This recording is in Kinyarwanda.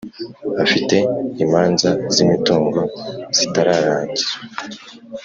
Afite imanza z’ imitungo zitararangizwa